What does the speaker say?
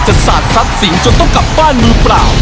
จะสาดซัดสิงค์จนต้องกลับบ้านรู้เปล่า